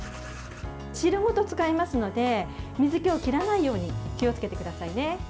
汁ごと使いますので水けを切らないように気をつけてくださいね。